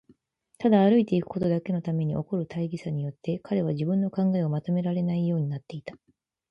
ただ歩いていくことだけのために起こる大儀さによって、彼は自分の考えをまとめられないようになっていた。